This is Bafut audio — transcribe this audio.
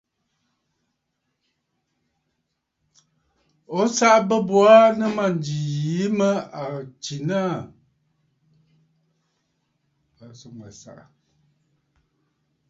O saꞌa bə̂ bo aa nɨ mânjì yìi mə à tsìnə aà.